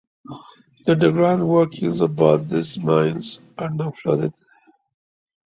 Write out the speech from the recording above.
The underground workings of both these mines are now flooded.